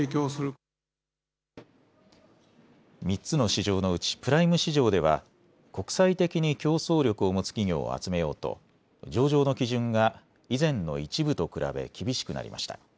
３つの市場のうちプライム市場では国際的に競争力を持つ企業を集めようと上場の基準が以前の１部と比べ厳しくなりました。